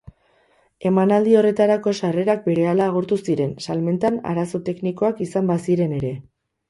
Emanaldi horretarako sarrerak berehala agortu ziren, salmentan arazo teknikoak izan baziren ere.